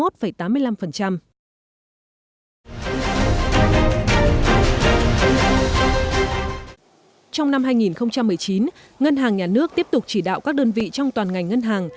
trong năm hai nghìn một mươi chín ngân hàng nhà nước tiếp tục chỉ đạo các đơn vị trong toàn ngành ngân hàng